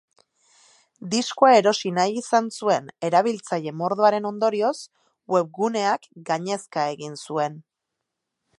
Diskoa erosi nahi izan zuen erabiltzaile mordoaren ondorioz, webguneak gainezka egin zuen.